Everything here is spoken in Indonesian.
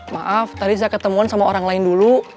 maaf tadi saya ketemuan sama orang lain dulu